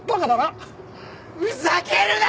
ふざけるな！